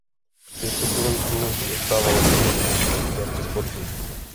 V Československu zastával různé funkce v oblasti sportu.